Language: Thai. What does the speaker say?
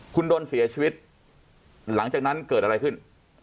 คุณดนเสียชีวิตหลังจากนั้นเกิดอะไรขึ้น